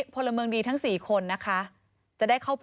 พอหมุนหนูก็กระเด็น